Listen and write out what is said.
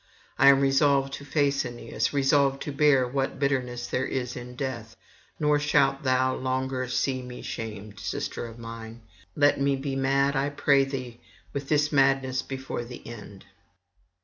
I am resolved to face Aeneas, resolved to bear what bitterness there is in death; nor shalt thou longer see me shamed, sister of mine. Let me be mad, I pray thee, with this madness before the end.'